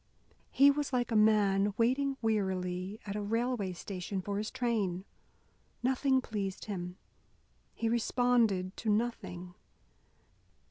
He was like a man waiting wearily at a railway station for his train. Nothing pleased him. He responded to nothing.